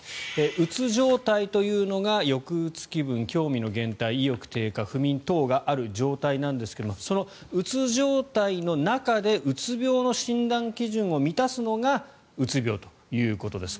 うつ状態というのが抑うつ気分、興味の減退意欲低下不眠等がある状態なんですがそのうつ状態の中でうつ病の診断基準を満たすのがうつ病ということです。